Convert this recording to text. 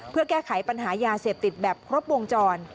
เพื่อแก้ไขปัญหายาเสพติดแบบครบวงจร